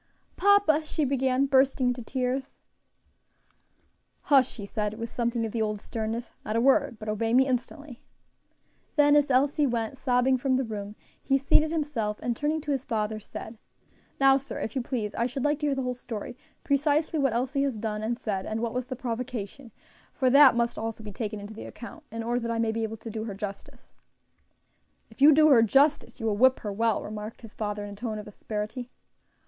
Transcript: "Papa " she began, bursting into tears. "Hush!" he said, with something of the old sternness; "not a word; but obey me instantly." Then, as Elsie went sobbing from the room, he seated himself, and turning to his father, said, "Now, sir, if you please, I should like to hear the whole story; precisely what Elsie has done and said, and what was the provocation; for that must also be taken into the account, in order that I may be able to do her justice." "If you do her justice, you will whip her well," remarked his father in a tone of asperity.